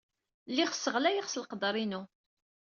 Lliɣ sseɣlayeɣ s leqder-inu.